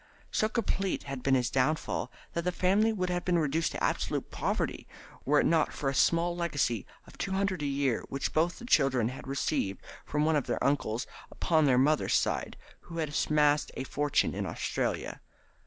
So complete had been his downfall that the family would have been reduced to absolute poverty were it not for a small legacy of two hundred a year which both the children had received from one of their uncles upon the mother's side who had amassed a fortune in Australia.